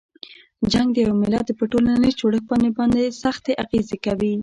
جنګ د یوه ملت په ټولنیز جوړښت باندې سختې اغیزې کوي.